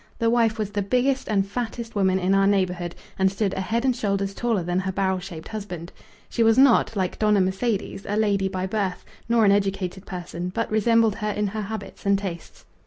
The wife was the biggest and fattest woman in our neighbourhood and stood a head and shoulders taller than her barrel shaped husband. She was not, like Dona Mercedes, a lady by birth, nor an educated person, but resembled her in her habits and tastes.